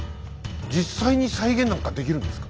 実際に再現なんかできるんですか？